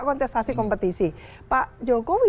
kontestasi kompetisi pak jokowi